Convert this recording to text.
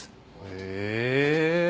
へえ。